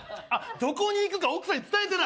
どこに行くか奥さんに伝えてない